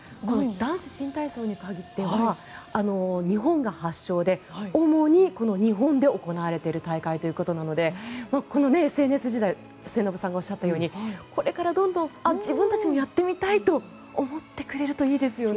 男子新体操に限っては日本が発祥で主に日本で行われている大会ということなのでこのＳＮＳ時代末延さんがおっしゃったようにこれからどんどん自分たちもやってみたいと思ってくれるといいですよね。